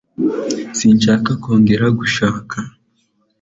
Sinshaka kongera gushaka